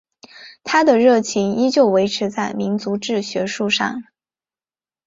他的热情依旧维持在民族志学术上。